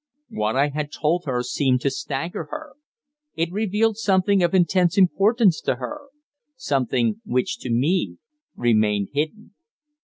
What I had told her seemed to stagger her. It revealed something of intense importance to her something which, to me, remained hidden.